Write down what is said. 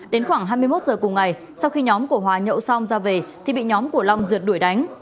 đến khoảng hai mươi một giờ cùng ngày sau khi nhóm của hòa nhậu xong ra về thì bị nhóm của long rượt đuổi đánh